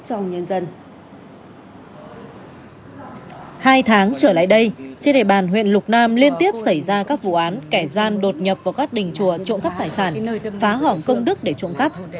hai tháng trở lại đây trên địa bàn huyện lục nam liên tiếp xảy ra các vụ án kẻ gian đột nhập vào các đình chùa trộm góp tài sản phá hỏng công đức để trộm góp